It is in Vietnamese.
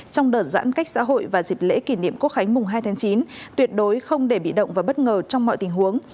trong đợt giãn cách xã hội và dịp lễ kỷ niệm quốc khánh mùng hai tháng chín tuyệt đối không để bị động và bất ngờ trong mọi tình huống